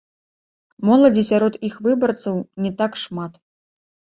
Моладзі сярод іх выбарцаў не так шмат.